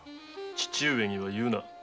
父上には言うな。